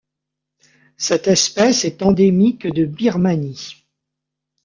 Cette espèce est endémique de Birmanie.